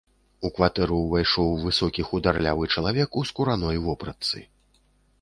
У кватэру ўвайшоў высокі хударлявы чалавек, у скураной вопратцы.